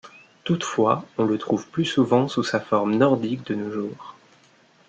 Toutefois, on le trouve plus souvent sous sa forme nordique de nos jours.